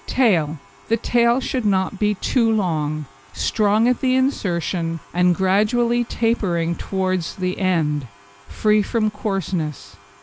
TAIL The tail should not be too long, strong at the insertion, and gradually tapering towards the end, free from coarseness.